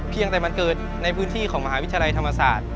เพียงแต่มันเกิดในพื้นที่ของมหาวิทยาลัยธรรมศาสตร์